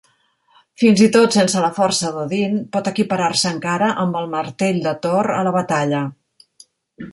Fins i tot sense la força d'Odin, pot equiparar-se encara amb el martell de Thor a la batalla.